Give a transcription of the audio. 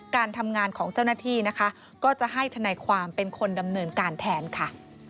การทำงานของเจ้าหน้าที่นะคะก็จะให้ทนายความเป็นคนดำเนินการแทนค่ะ